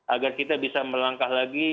agar kita bisa melangkah lagi